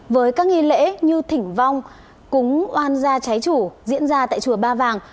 với các nghi lễ như thỉnh vong cúng oan gia trái chủ diễn ra tại chùa ba vàng